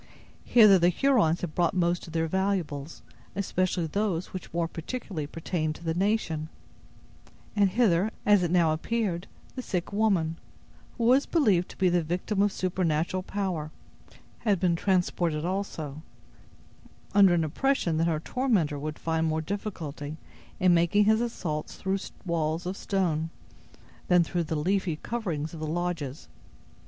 Hither the Hurons had brought most of their valuables, especially those which more particularly pertained to the nation; and hither, as it now appeared, the sick woman, who was believed to be the victim of supernatural power, had been transported also, under an impression that her tormentor would find more difficulty in making his assaults through walls of stone than through the leafy coverings of the lodges.